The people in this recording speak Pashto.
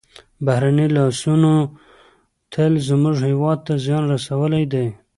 بهرنیو لاسوهنو تل زموږ هېواد ته زیان رسولی دی.